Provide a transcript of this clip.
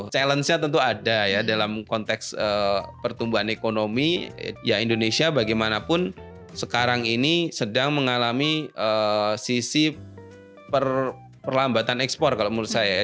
challenge nya tentu ada ya dalam konteks pertumbuhan ekonomi ya indonesia bagaimanapun sekarang ini sedang mengalami sisi perlambatan ekspor kalau menurut saya ya